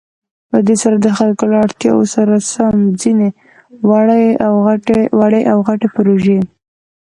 په دې سره د خلكو له اړتياوو سره سم ځينې وړې او غټې پروژې